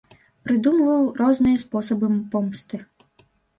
Прыдумваў розныя спосабы помсты.